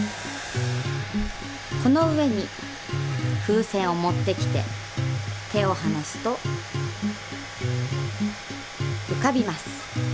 この上に風船を持ってきて手をはなすと浮かびます。